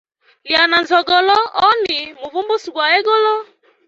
Iya na nzogolo, oni muvumbusi gwa egulu.